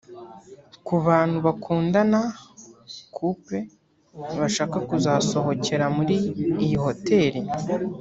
Ku bantu bakundana (Couple) bashaka kuzasohokera muri iyi hoteli